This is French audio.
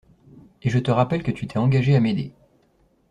Et je te rappelle que tu t’es engagée à m’aider.